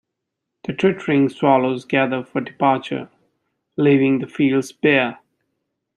The twittering swallows gather for departure, leaving the fields bare.